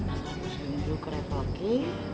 masa gua segini dulu kerepo oke